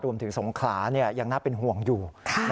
รวมถึงสงขายังน่าเป็นห่วงอยู่